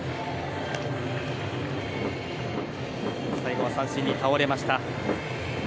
最後は三振に倒れました。